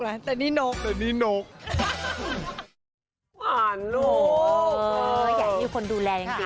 ไม่เหมือนเป็นเรื่องตลกนะ